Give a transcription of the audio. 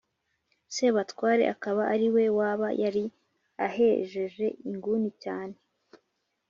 sebatware akaba ariwe waba yari ahejeje inguni cyane